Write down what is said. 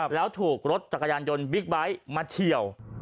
แล้วถูกรถจักรยานยนต์บิ๊กไบท์มาเฉียว